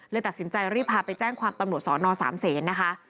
เลยตัดสินใจรีบพาไปแจ้งความตำรวจสอน๓เสนนะคะ